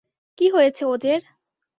কী হয়েছে ওজের?